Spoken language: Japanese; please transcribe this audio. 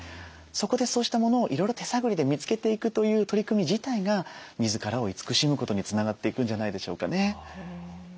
そこでそうしたものをいろいろ手探りで見つけていくという取り組み自体が自らを慈しむことにつながっていくんじゃないでしょうかね。